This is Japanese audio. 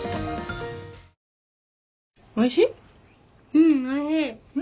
うんおいしい。